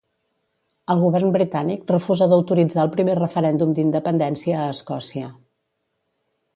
El govern britànic refusa d'autoritzar el primer referèndum d'independència a Escòcia.